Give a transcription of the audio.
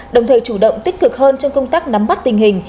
đồng thời chủ động tích cực hơn trong công tác nắm bắt tình hình